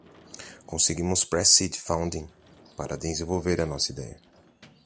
Conseguimos pre-seed funding para desenvolver nossa ideia.